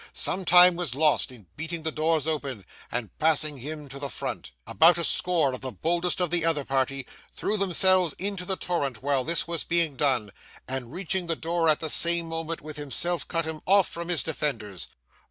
Some time was lost in beating the doors open and passing him to the front. About a score of the boldest of the other party threw themselves into the torrent while this was being done, and reaching the door at the same moment with himself cut him off from his defenders.